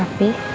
aku mau ke rumah